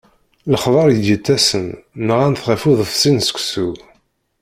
Lexbar i d-yettasen, nɣan-t ɣef uḍebsi n seksu.